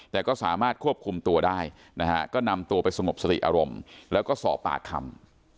แต่ก็สามารถควบคุมตัวได้นะฮะก็นำตัวไปสงบสติอารมณ์แล้วก็สอบปากคำ